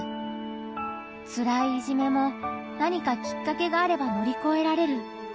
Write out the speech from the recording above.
つらいいじめも何かきっかけがあれば乗り越えられる。